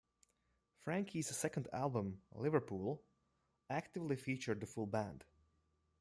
Frankie's second album, "Liverpool", actively featured the full band.